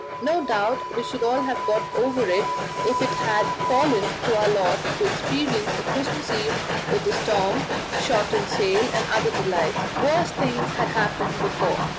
No doubt we should all have got over it if it had fallen to our lot to experience a Christmas Eve with storm, shortened sail, and other delights; worse things had happened before.